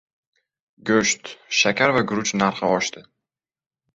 Go‘sht, shakar va guruch narxi oshdi